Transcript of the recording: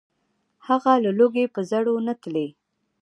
هغه له لوږي په زړو نتلي